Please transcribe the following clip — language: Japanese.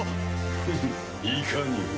フフいかにも。